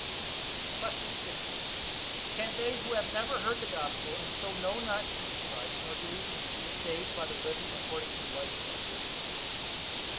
Q. 60. Can they who have never heard the gospel, and so know not Jesus Christ, nor believe in him, be saved by their living according to the light of nature?